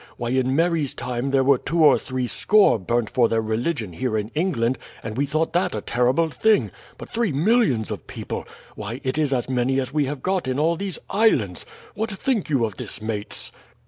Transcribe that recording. Why, in Mary's time there were two or three score burnt for their religion here in England, and we thought that a terrible thing. But three millions of people! Why, it is as many as we have got in all these islands! What think you of this mates?"